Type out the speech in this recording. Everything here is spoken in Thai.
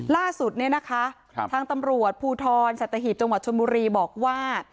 ล่าสุดทางตำรวจภูทรสัตวิทย์จังหวัดชมุรีบอกว่า